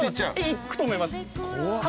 行くと思います。